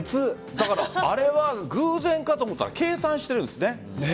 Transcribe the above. だからあれは偶然かと思ったら計算しているんですね。